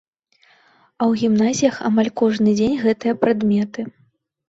І ў гімназіях амаль кожны дзень гэтыя прадметы.